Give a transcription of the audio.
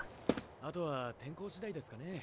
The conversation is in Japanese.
あとは天候次第ですかね。